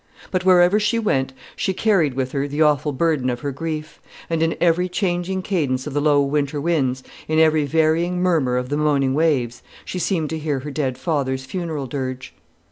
But wherever she went, she carried with her the awful burden of her grief; and in every changing cadence of the low winter winds, in every varying murmur of the moaning waves, she seemed to hear her dead father's funeral dirge.